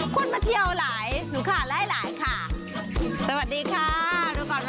คนมาเที่วหลายลูกคาหลายหลายค่ะสาวัสดีค่ะดูขอต่อ